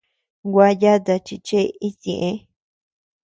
Gua yata chi chee itñeʼë.